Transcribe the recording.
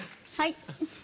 はい。